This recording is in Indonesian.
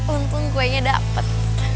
untung gue nya dapet